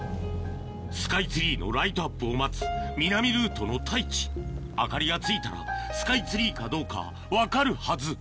スカイツリーのライトアップを待つ南ルートの太一明かりがついたらスカイツリーかどうか分かるはず